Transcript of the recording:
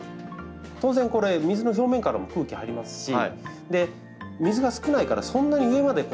当然これ水の表面からも空気入りますし水が少ないからそんなに上まで吸い上がっていきにくいんですね。